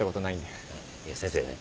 いや先生ね